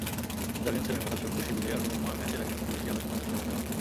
জার্গেনসেনের হঠাৎ শত্রুশিবিরে আগমন ম্যাচের আগে সবচেয়ে বেশি আলোচনার বিষয় হয়ে থাকল।